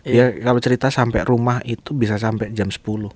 iya kalo cerita sampe rumah itu bisa sampe jam sepuluh